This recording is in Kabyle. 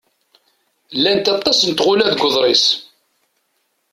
Llant aṭas n tɣula deg uḍris.